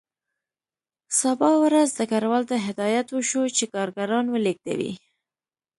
سبا ورځ ډګروال ته هدایت وشو چې کارګران ولېږدوي